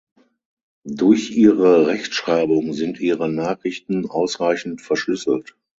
Durch ihre Rechtschreibung sind ihre Nachrichten ausreichend verschlüsselt.